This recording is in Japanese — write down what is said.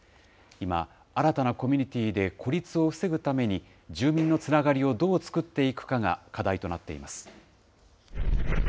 今、新たなコミュニティーで孤立を防ぐために、住民のつながりをどう作っていくかが課題となっています。